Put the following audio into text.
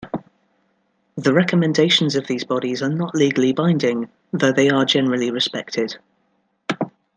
The recommendations of these bodies are not legally binding, though they are generally respected.